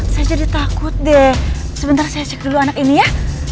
saya jadi takut deh sebentar saya cek dulu anak ini ya